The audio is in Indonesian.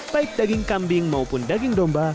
baik daging kambing maupun daging domba